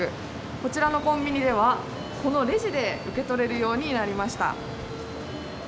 こちらのコンビニでは、このレジで受け取れるようになりました。